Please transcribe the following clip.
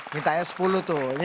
mintanya sepuluh tuh